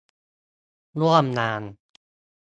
ร่วมงาน